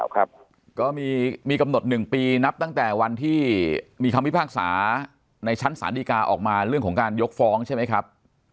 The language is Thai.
ครับก็มีกำหนด๑ปีนับตั้งแต่วันที่มีคำพิพากษาในชั้นศาลดีกาออกมาเรื่องของการยกฟ้องใช่ไหมครับ